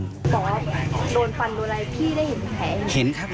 บอกโดนฟันโดนอะไรพี่ได้เห็นแผลอย่างนั้น